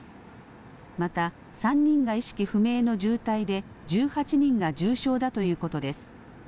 また、３人が意識不明の重体で、１８人が重傷だということです。